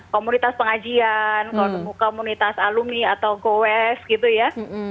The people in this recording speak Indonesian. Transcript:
komunitas pengajian komunitas alumni atau goes gitu ya